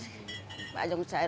banyak yang saya rusak